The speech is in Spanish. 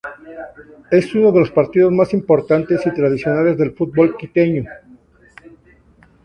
Es uno de los partidos más importantes y tradicionales del fútbol quiteño.